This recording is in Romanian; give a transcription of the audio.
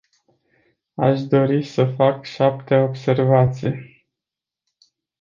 Aș dori să fac șapte observații.